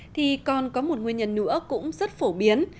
thì còn có một nguyên nhân nữa cũng rất phổ biến